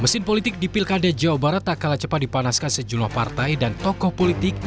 mesin politik di pilkada jawa barat tak kalah cepat dipanaskan sejumlah partai dan tokoh politik